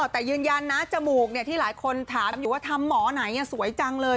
แต่ยืนยันนะจมูกที่หลายคนถามอยู่ว่าทำหมอไหนสวยจังเลย